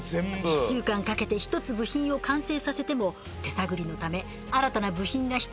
１週間かけて１つ部品を完成させても手探りのため新たな部品が必要なことに気付く。